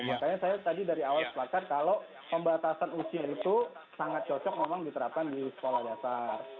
makanya saya tadi dari awal sepakat kalau pembatasan usia itu sangat cocok memang diterapkan di sekolah dasar